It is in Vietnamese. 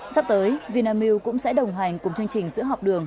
sắp tới vinamilk cũng sẽ đồng hành cùng chương trình sữa học đường